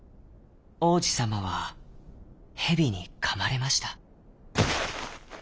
王子さまはヘビにかまれました。